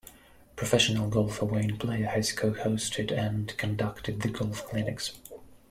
Professional golfer Wayne Player has co-hosted and conducted the golf clinics.